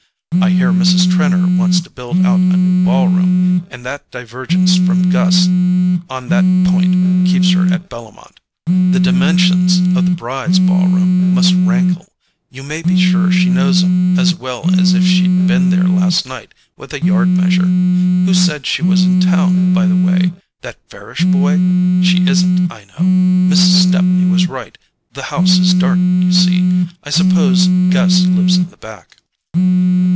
I hear Mrs. Trenor wants to build out a new ball room, and that divergence from Gus on that point keeps her at Bellomont. The dimensions of the Brys' ball room must rankle: you may be sure she knows 'em as well as if she'd been there last night with a yard measure. Who said she was in town, by the way? That Farish boy? She isn't, I know; Mrs. Stepney was right; the house is dark, you see: I suppose Gus lives in the back."